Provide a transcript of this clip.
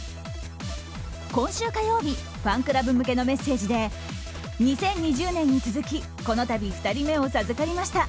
今週火曜日ファンクラブ向けのメッセージで２０２０年に続き、この度２人目を授かりました！